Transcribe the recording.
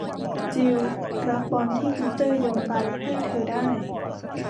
จิลล์รับบอลที่ปีเตอร์โยนไปให้เธอได้